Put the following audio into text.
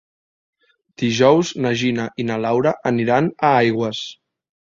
Dijous na Gina i na Laura aniran a Aigües.